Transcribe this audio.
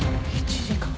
１時間！？